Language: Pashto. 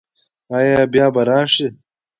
ایا بیا به راشئ؟